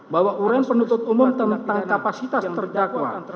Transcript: bahwa uraian penuntut umum tentang kapasitas terdakwa